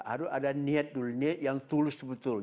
harus ada niat dulu niat yang tulus betul